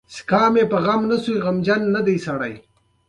زده کړه نجونو ته د بدلون راوستلو ځواک ورکوي.